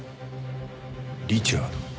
リチャード。